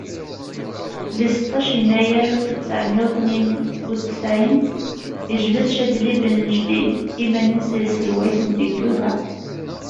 Deg seṭṭac Yennayer alef u ttɛemya u tniyen u ttɛin, yejbed Cadli Ben Jdid iman-is deg tselwayt n tegduda.